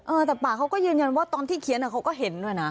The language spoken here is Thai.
แต่ป่าเขาก็ยืนยันว่าตอนที่เขียนเขาก็เห็นด้วยนะ